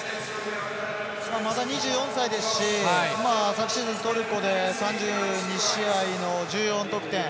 まだ２４歳ですし昨シーズントルコで３２試合の１４得点。